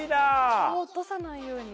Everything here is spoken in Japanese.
落とさないように。